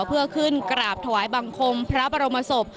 เพื่อขึ้นกราบถวายบังคมพระบรมศพ